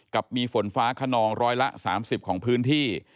กับมีฝนฟ้าขนองร้อยละ๓๐ของพื้นที่